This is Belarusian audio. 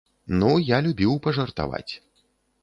Ну, я любіў пажартаваць.